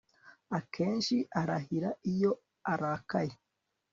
Akenshi arahira iyo arakaye